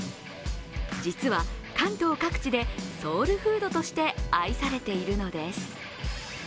実は、関東各地でソウルフードとして愛されているのです。